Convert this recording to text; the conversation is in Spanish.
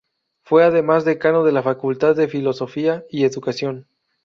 Fue además Decano de la Facultad de Filosofía y Educación.